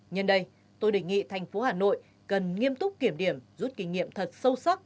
nhân đây tôi đề nghị tp hà nội cần nghiêm túc kiểm điểm rút kinh nghiệm thật sâu sắc